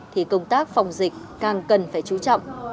thì công tác phòng dịch càng cần phải chú trọng